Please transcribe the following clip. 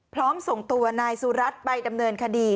พร้อมส่งตัวนายสุรัสตร์ไปดำเนินคดี